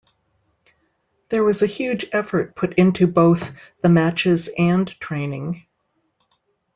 There was a huge effort put into both - the matches and training.